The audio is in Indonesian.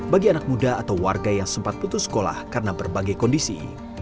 bagi anak muda atau warga yang sempat putus sekolah karena berbagai kondisi